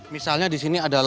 misalnya disini ada apa